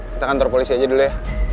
kita kantor polisi aja dulu ya